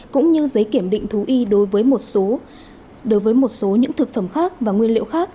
cũng như giấy kiểm định thú y đối với một số những thực phẩm khác và nguyên liệu khác